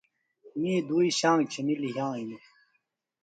می دوئیۡ شانگ چِھنیۡ لِھیئیانوۡ